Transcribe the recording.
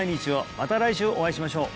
また来週お会いしましょう